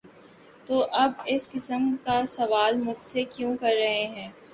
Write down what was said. ‘‘''تو آپ اس قسم کا سوال مجھ سے کیوں کر رہے ہیں؟